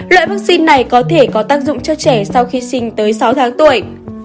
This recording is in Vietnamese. loại vaccine này có thể có tác dụng cho trẻ sau khi sinh tới sáu tháng tuổi